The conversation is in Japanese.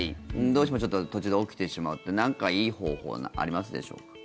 どうしましょう途中で起きてしまうってなんかいい方法ありますでしょうか？